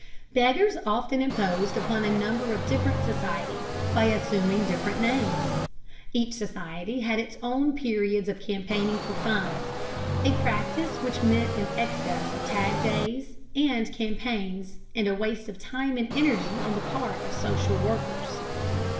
Beggars often imposed upon a number of different societies by assuming different names. Each society had its own periods of campaigning for funds, a practice which meant an excess of tag days and campaigns and a waste of time and energy on the part of social workers.